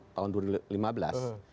kita melakukan penegakan hukum